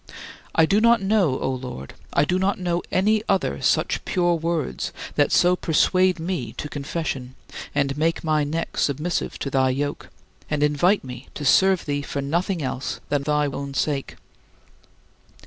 I do not know, O Lord, I do not know any other such pure words that so persuade me to confession and make my neck submissive to thy yoke, and invite me to serve thee for nothing else than thy own sake.